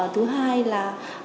thứ hai là